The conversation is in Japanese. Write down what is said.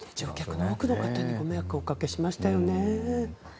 多くの方にご迷惑をおかけしましたよね。